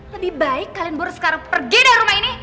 lebih baik kalian buru sekarang pergi dari rumah ini